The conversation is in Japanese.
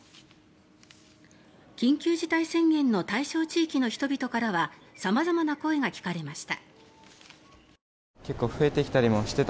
緊急事態宣言の対象地域の人々からは様々な声が聞かれました。